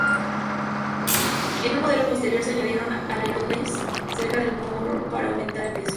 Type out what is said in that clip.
En un modelo posterior se añadieron alerones cerca del morro para aumentar el peso.